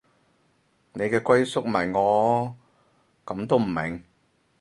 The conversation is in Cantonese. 你嘅歸宿咪係我，噉都唔明